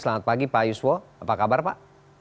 selamat pagi pak yuswo apa kabar pak